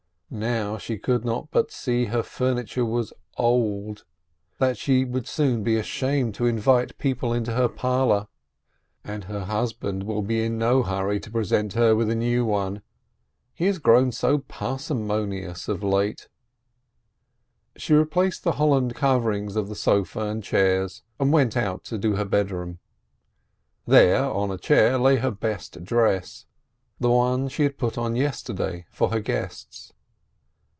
Now she could not but see that her furniture was old, that AS THE YEARS EOLL ON 313 she would soon be ashamed to invite people into her parlor. And her husband will be in no hurry to present her with a new one — he has grown so parsimonious of late! She replaced the holland coverings of the sofa and chairs, and went out to do her bedroom. There, on a chair, lay her best dress, the one she had put on yesterday for her guests.